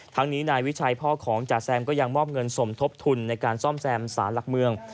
ทั้งนี้นายวิชัยพ่อของจ๋าแซมก็ยังมอบเงินสมทบทุนในการซ่อมแซมสารหลักเมือง